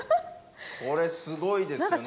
これすごいですよね。